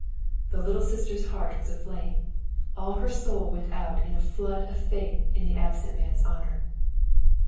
The Little Sister's heart was aflame. All her soul went out in a flood of faith in the absent man's honor.